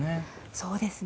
そうですね。